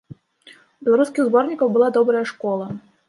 У беларускіх зборнікаў была добрая школа.